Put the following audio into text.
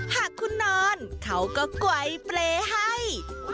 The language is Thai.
หากคุณนอนเขาก็กว่ายเปลยให้